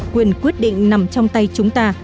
quyền quyết định nằm trong tay chúng ta